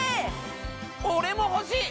俺も欲しい！